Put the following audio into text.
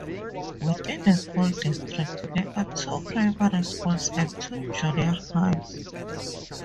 Within the school district, there are two primary schools and two junior highs.